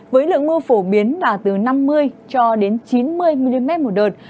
với lượng mưa phổ biến là từ năm mươi cho đến chín mươi mm một đợt